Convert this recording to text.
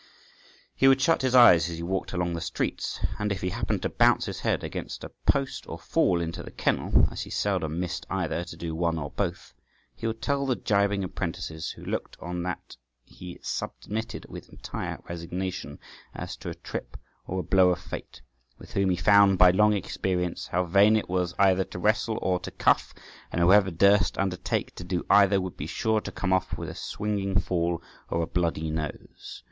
He would shut his eyes as he walked along the streets, and if he happened to bounce his head against a post or fall into the kennel (as he seldom missed either to do one or both), he would tell the gibing apprentices who looked on that he submitted with entire resignation, as to a trip or a blow of fate, with whom he found by long experience how vain it was either to wrestle or to cuff, and whoever durst undertake to do either would be sure to come off with a swingeing fall or a bloody nose.